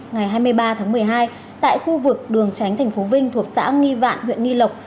ngày hai mươi ba tháng một mươi hai tại khu vực đường tránh thành phố vinh thuộc xã nghi vạn huyện nghi lộc